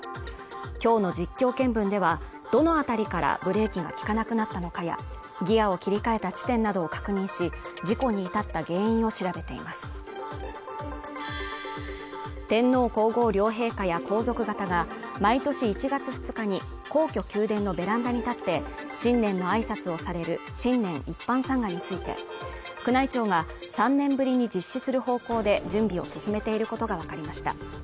今日の実況見分ではどの辺りからブレーキが利かなくなったのかやギアを切り替えた地点などを確認し事故に至った原因を調べています天皇皇后両陛下や皇族方が毎年１月２日に皇居宮殿のベランダに立って新年の挨拶をされる新年一般参賀について宮内庁が３年ぶりに実施する方向で準備を進めていることが分かりました